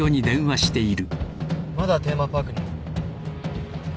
まだテーマパークに。